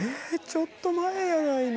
ちょっと前やないの！